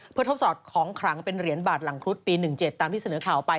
เพื่อทดสอบของขลังเป็นเหรียญบาทหลังครุฑปี๑๗ตามที่เสนอข่าวไป